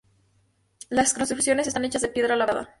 Las construcciones están hechas de piedra labrada.